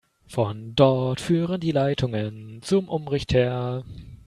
Von dort führen die Leitungen zum Umrichter.